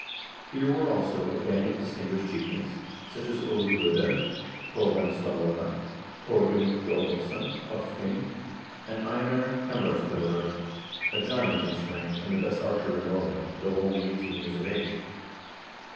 Here were, also, a band of distinguished chieftains, such as Ulv K0de, Kolbein Stallare, Thorgrim Thjodolvsson of Hvin, and Einar Tambarskjselver, I giant in strength, and the best archer in Norway, though only eighteen years of age.